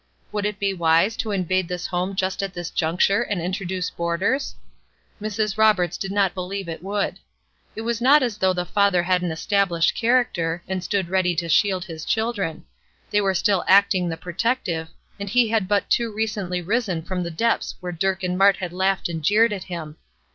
Would it be wise to invade this home just at this juncture and introduce boarders? Mrs. Roberts did not believe that it would. It was not as though the father had an established character, and stood ready to shield his children; they were still acting the protective, and he had but too recently risen from the depths where Dirk and Mart had laughed and jeered at him.